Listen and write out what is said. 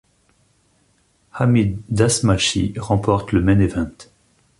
Hamid Dastmalchi remporte le Main Event.